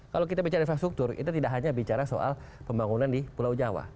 kalau kita bicara infrastruktur itu tidak hanya bicara soal pembangunan di pulau jawa